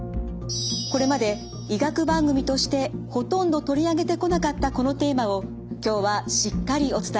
これまで医学番組としてほとんど取り上げてこなかったこのテーマを今日はしっかりお伝えします。